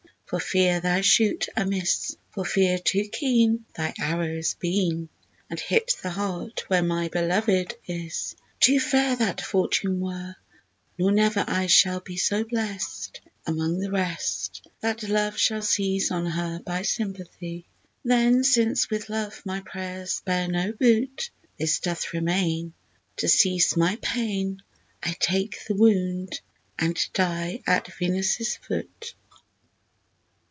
for fear thou shoot amiss, For fear too keen Thy arrows been, And hit the heart where my Belovèd is. Too fair that fortune were, nor never I Shall be so blest, Among the rest, That Love shall seize on her by sympathy. Then since with Love my prayers bear no boot, This doth remain To cease my pain: I take the wound, and die at Venus' foot.